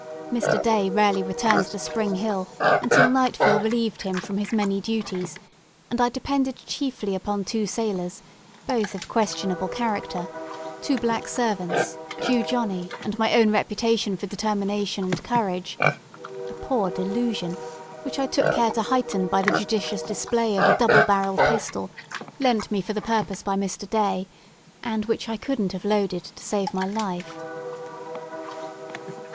Mr. Day rarely returned to Spring Hill until nightfall relieved him from his many duties, and I depended chiefly upon two sailors, both of questionable character, two black servants, Jew Johnny, and my own reputation for determination and courage a poor delusion, which I took care to heighten by the judicious display of a double barrelled pistol, lent me for the purpose by Mr. Day, and which I couldn't have loaded to save my life.